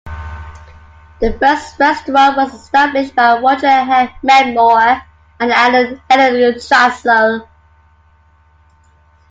The first restaurant was established by Roger Meadmore and Allen and Helen Trachsel.